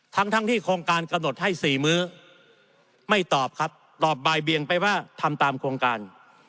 ทั้งทั้งที่โครงการกำหนดให้๔มื้อไม่ตอบครับตอบบ่ายเบียงไปว่าทำตามโครงการ